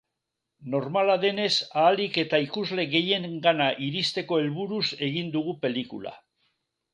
Normala denez, ahalik eta ikusle gehienengana iristeko helburuz egin dugu pelikula.